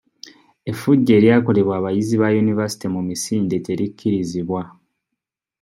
Effujjo eryakolebwa abayizi ba yunivaasite mu misinde terikkirizibwa.